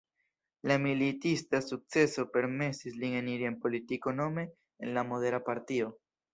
La militista sukceso permesis lin eniri en politiko nome en la Modera Partio.